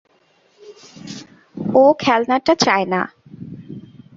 ও খেলনাটা চায় না।